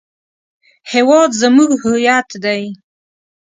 هېواد زموږ هویت دی